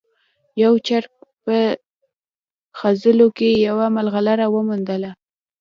یو چرګ په خځلو کې یوه ملغلره وموندله.